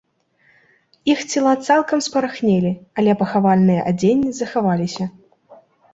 Іх цела цалкам спарахнелі, але пахавальныя адзенні захаваліся.